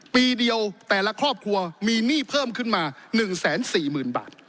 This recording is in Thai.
ปีเดียวแต่ละครอบครัวมีหนี้เพิ่มขึ้นมา๑๔๐๐๐บาท